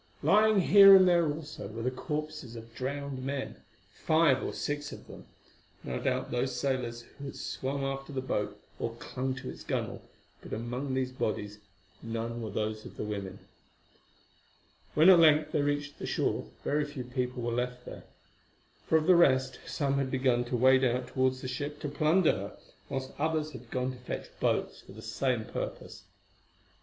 Lying here and there also were the corpses of drowned men, five or six of them: no doubt those sailors who had swum after the boat or clung to its gunwale, but among these bodies none were those of women. When at length they reached the shore, very few people were left there, for of the rest some had begun to wade out towards the ship to plunder her, whilst others had gone to fetch boats for the same purpose.